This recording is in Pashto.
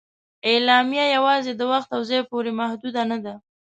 اعلامیه یواځې د وخت او ځای پورې محدود نه ده.